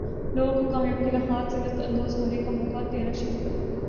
لوگوں کو کامیابی کے لمحات سے لطف اندواز ہونے کا موقع دینا چاہئے